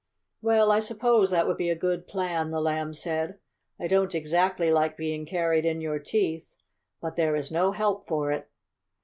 "Well, I suppose that would be a good plan," the Lamb said. "I don't exactly like being carried in your teeth, but there is no help for it."